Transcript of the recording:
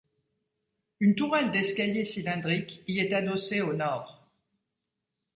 Une tourelle d'escalier cylindrique y est adossée au nord.